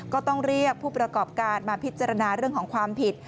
ก็ต้องเรียกผู้ประกอบการมาพิจารณาเรื่องของความผิด